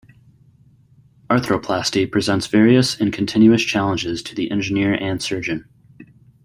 Arthroplasty presents various and continuous challenges to the engineer and surgeon.